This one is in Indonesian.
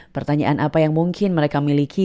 pertanyaan apa yang mungkin mereka miliki